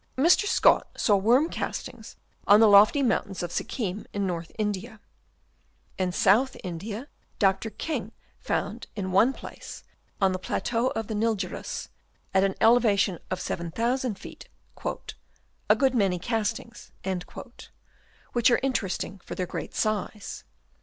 Mr. Scott saw worm castings on the lofty mountains of Sikkim in North India. In South India Dr. King found in one place, on the plateau of the Nilgiris, at an elevation of 7000 feet, " a good many castings," which are interesting for their great size.